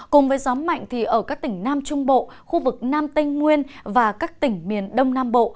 cùng với gió mạnh thì ở các tỉnh nam trung bộ khu vực nam tây nguyên và các tỉnh miền đông nam bộ